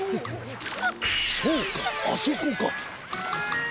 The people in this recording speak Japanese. そうかあそこか！